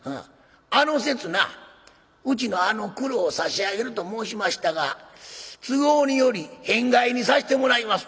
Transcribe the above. あの節なうちのあのクロを差し上げると申しましたが都合により変改にさしてもらいます」。